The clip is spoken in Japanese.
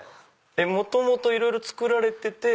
元々いろいろ作られてて。